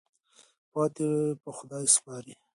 پاتې په خدای سپارئ.